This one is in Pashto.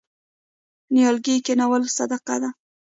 نیالګي کینول صدقه ده.